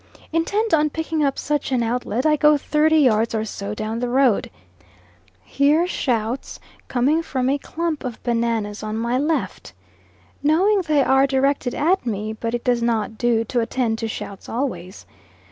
Intent on picking up such an outlet, I go thirty yards or so down the road. Hear shouts coming from a clump of bananas on my left. Know they are directed at me, but it does not do to attend to shouts always.